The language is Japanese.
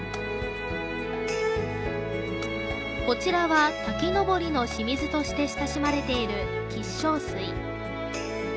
こちらは「瀧のぼりの清水」として親しまれている吉祥水。